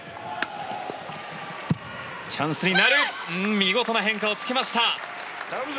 見事な変化をつけました。